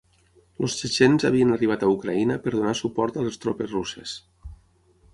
Els txetxens havien arribat a Ucraïna per donar suport a les tropes russes.